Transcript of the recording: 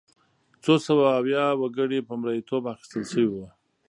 څو سوه ویا وګړي په مریتوب اخیستل شوي وو.